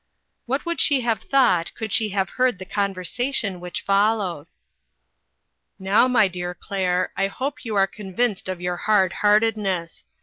What would she have thought could she have heard the conversation which followed :" Now, my dear Claire, I hope you are convinced of your hard heartedness.